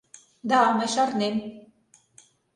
— Да, мый шарнем.